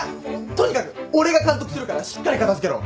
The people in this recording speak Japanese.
とにかく俺が監督するからしっかり片付けろ。